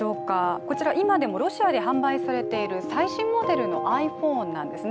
こちら、今でもロシアで販売されている最新モデルのｉＰｈｏｎｅなんですね。